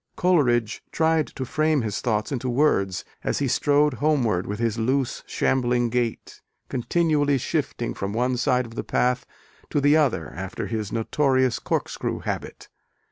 Coleridge tried to frame his thoughts into words, as he strode homeward with his loose shambling gait, continually shifting from one side of the path to the other after his notorious "corkscrew" habit.